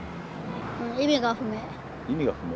意味が不明。